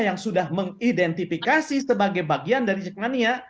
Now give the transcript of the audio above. yang sudah mengidentifikasi sebagai bagian dari jack mania